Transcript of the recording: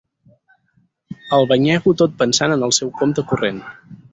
El banyego tot pensant en el seu compte corrent.